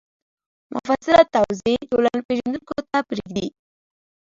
مفصله توضیح ټولنپېژندونکو ته پرېږدي